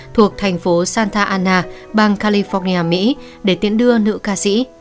thuộc thành phố santa anna bang california mỹ để tiễn đưa nữ ca sĩ